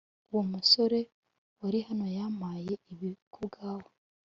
Uwo musore wari hano hano yampaye ibi kubwawe